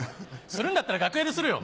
するんだったら楽屋でするよ。